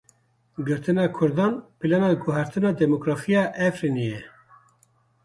Girtina Kurdan plana guhertina demografiya Efrînê ye.